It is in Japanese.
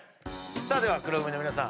では黒組の皆さん